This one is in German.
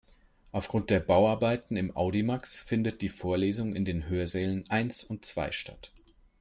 Aufgrund der Bauarbeiten im Audimax findet die Vorlesung in den Hörsälen eins und zwei statt.